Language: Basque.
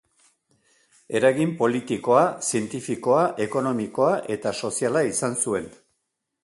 Eragin politikoa, zientifikoa, ekonomikoa eta soziala izan zuen.